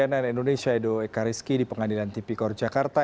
dan indonesia edo ekariski di pengadilan tp kor jakarta